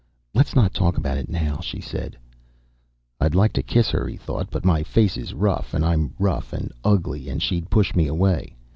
"Let's not talk about it now," she said. I'd like to kiss her, he thought. But my face is rough, and I'm rough and ugly, and she'd push me away.